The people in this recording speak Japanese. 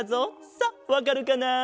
さあわかるかな？